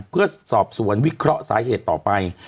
เพื่อสอบสวนวิเคราะห์สาเหตุต่อไป